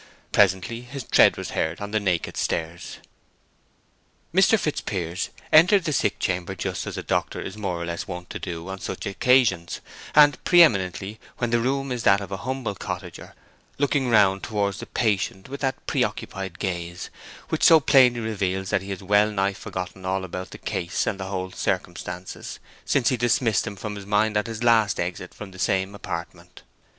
Presently his tread was heard on the naked stairs. Mr. Fitzpiers entered the sick chamber just as a doctor is more or less wont to do on such occasions, and pre eminently when the room is that of a humble cottager, looking round towards the patient with that preoccupied gaze which so plainly reveals that he has wellnigh forgotten all about the case and the whole circumstances since he dismissed them from his mind at his last exit from the same apartment.